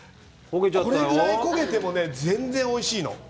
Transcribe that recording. これぐらい焦げても全然おいしいの。